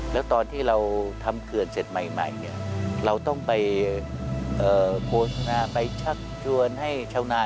แล้วตอนที่เราทำเขื่อนเสร็จใหม่เราต้องไปโฆษณาไปชักชวนให้ชาวนา